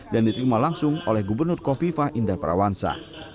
dan diterima langsung oleh gubernur kofifa indar parawansa